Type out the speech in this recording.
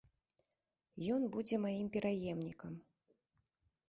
Ён будзе маім пераемнікам.